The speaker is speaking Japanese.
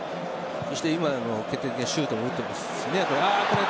今、決定的なシュートを打っています。